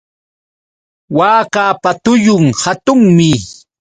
Waakapa tullun hatunmi.